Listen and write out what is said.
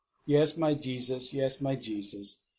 Yes, my Jesus, Yes, my Jesus.